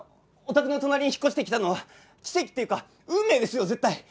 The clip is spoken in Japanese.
お宅の隣に引っ越してきたのは奇跡っていうか運命ですよ絶対！